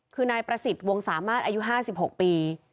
คือนายประสิทธิ์วงสามารถอายุ๕๖ปี